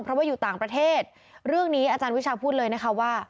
เพราะว่าอยู่ต่างประเทศเรื่องนี้อาจารย์วิชาพูดเลยนะคะว่า